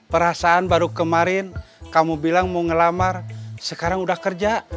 perasaan baru kemarin kamu bilang mau ngelamar sekarang udah kerja